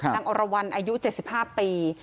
อรวรรณอายุ๗๕ปี